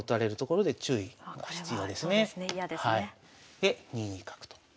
で２二角と。